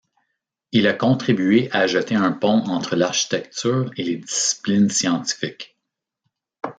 Il a contribué à jeter un pont entre l'architecture et les disciplines scientifiques.